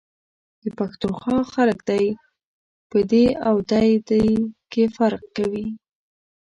د پښتونخوا خلک دی ، په دي او دی.دے کي فرق کوي ،